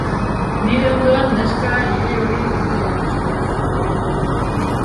Nire ondoan neska ilehori irribarretsu bat zegoen.